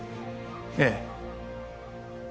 ええ。